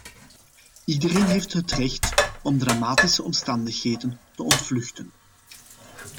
Iedereen heeft het recht om dramatische omstandigheden te ontvluchten.